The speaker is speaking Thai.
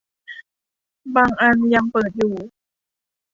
บางอันยังเปิดอยู่